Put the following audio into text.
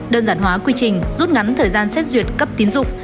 đơn giản hóa quy trình rút ngắn thời gian xét duyệt cấp tiến dụng